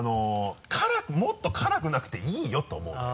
もっと辛くなくていいよと思うのよ。